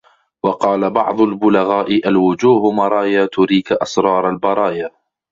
وَقَالَ بَعْضُ الْبُلَغَاءِ الْوُجُوهُ مَرَايَا تُرِيك أَسْرَارَ الْبَرَايَا